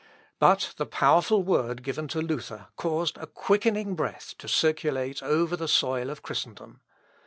But the powerful word given to Luther caused a quickening breath to circulate over the soil of Christendom.